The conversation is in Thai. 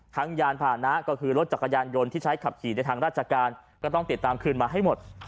ยานผ่านนะก็คือรถจักรยานยนต์ที่ใช้ขับขี่ในทางราชการก็ต้องติดตามคืนมาให้หมด